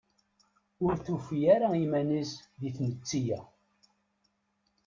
Ur tufi ara iman-is di tmetti-a.